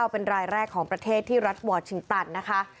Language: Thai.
เป็นรายแรกของประเทศที่รัฐวอร์ชิงตันนะคะ